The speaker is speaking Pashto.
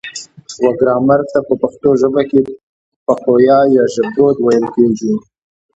و ګرامر ته په پښتو ژبه کې پښويه يا ژبدود ويل کيږي